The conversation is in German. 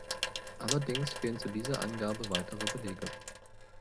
Allerdings fehlen zu dieser Angabe weitere Belege.